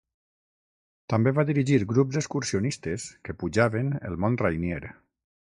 També va dirigir grups excursionistes que pujaven el mont Rainier.